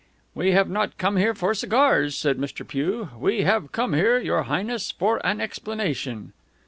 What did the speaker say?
"We have not come here for cigars," said Mr. Pugh. "We have come here, Your Highness, for an explanation."